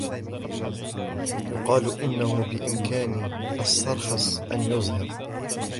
يُقال أنه بإمكان السرخس أن يُزهر.